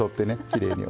きれいに。